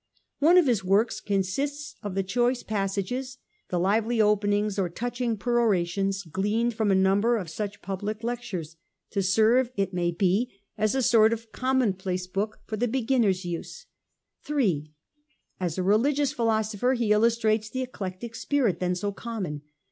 One of his works consists of the choice passages, the lively openings or touching perorations, gleaned from a number of such public lec tures, to serve, it may be, as a sort of commonplace book for the beginner's use. 3°. As a religious philosopher he illustrates the eclectic spirit then so common.